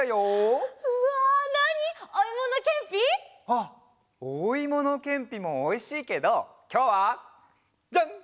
あっおいものけんぴもおいしいけどきょうはジャン！